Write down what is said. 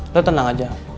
lo tenang aja